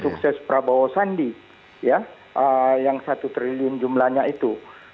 sukses prabowo sandi yang satu triliun jumlahnya itu